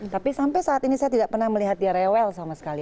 tapi sampai saat ini saya tidak pernah melihat dia rewel sama sekali